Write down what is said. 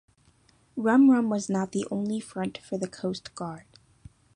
Rum Row was not the only front for the Coast Guard.